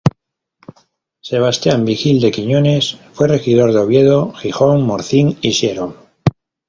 Sebastián Vigil de Quiñones fue regidor de Oviedo, Gijón, Morcín y Siero.